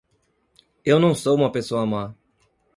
Eu não sou uma pessoa má